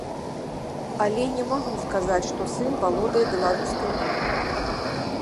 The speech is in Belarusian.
Але не магу сказаць, што сын валодае беларускай мовай.